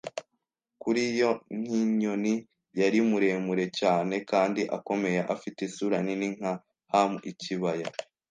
kuri yo nk'inyoni. Yari muremure cyane kandi akomeye, afite isura nini nka ham - ikibaya